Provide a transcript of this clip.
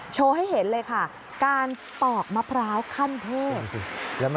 ให้เห็นเลยค่ะการปอกมะพร้าวขั้นเทพ